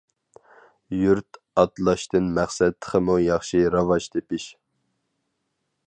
يۇرت ئاتلاشتىن مەقسەت تېخىمۇ ياخشى راۋاج تېپىش.